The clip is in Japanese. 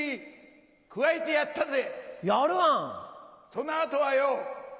その後はよ